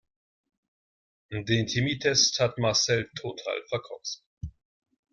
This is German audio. Den Chemietest hat Marcel total verkorkst.